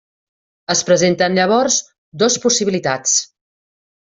Es presenten, llavors, dos possibilitats.